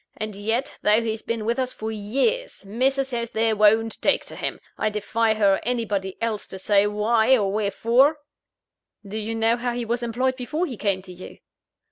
And yet, though he's been with us for years, Mrs. S. there won't take to him! I defy her or anybody else to say why, or wherefore!" "Do you know how he was employed before he came to you?"